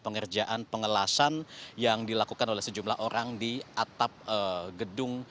pengerjaan pengelasan yang dilakukan oleh sejumlah orang di atap gedung